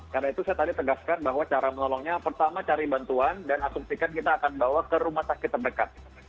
karena itu saya tadi tegaskan bahwa cara menolongnya pertama cari bantuan dan asumsikan kita akan bawa ke rumah sakit terdekat